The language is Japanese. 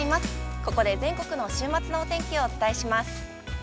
ここで全国の週末のお天気をお伝えします。